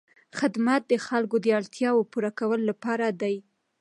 خدمت د خلکو د اړتیاوو پوره کولو لپاره دی.